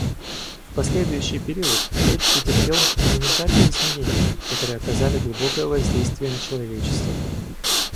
В последующий период мир претерпел монументальные изменения, которые оказали глубокое воздействие на человечество.